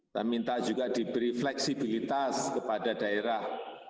saya minta juga diberi fleksibilitas kepada daerah